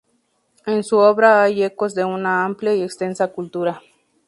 En su obra hay ecos de una amplia y extensa cultura.